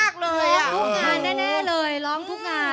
ความเหนื่อยก็มาก